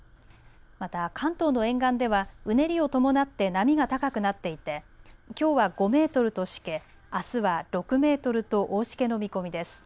また関東の沿岸では、うねりを伴って波が高くなっていてきょうは５メートルとしけ、あすは６メートルと大しけの見込みです。